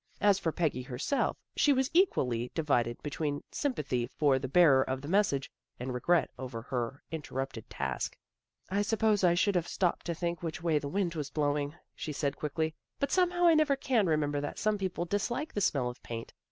As for Peggy herself, she was equally divided between sympathy for the bearer of the message, and regret over her interrupted task. " I suppose I should have stopped to think which way the wind was blowing," she said quickly. " But somehow I never can remember that some people dislike the smell of paint.